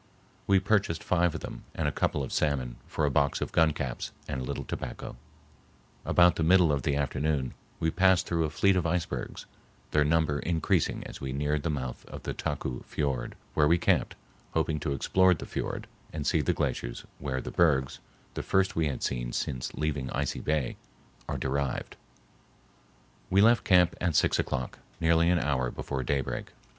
We purchased five of them and a couple of salmon for a box of gun caps and a little tobacco. About the middle of the afternoon we passed through a fleet of icebergs, their number increasing as we neared the mouth of the Taku Fiord, where we camped, hoping to explore the fiord and see the glaciers where the bergs, the first we had seen since leaving Icy Bay, are derived. [Illustration: Stranded Icebergs, Taku Glacier.] We left camp at six o'clock, nearly an hour before daybreak.